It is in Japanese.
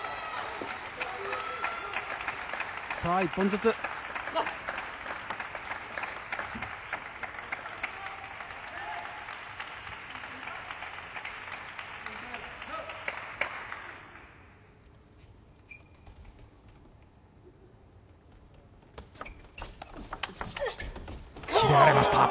さあ、１本ずつ！決められました。